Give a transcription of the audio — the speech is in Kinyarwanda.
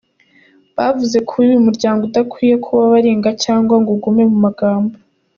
Bavuze ko uyu muryango udakwiye kuba baringa cyangwa ngo ugume mu magambo.